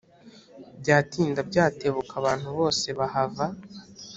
byatinda byatebuka abantu bose bahava.